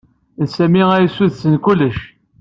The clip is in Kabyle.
D Sami a yessuddsen kullec.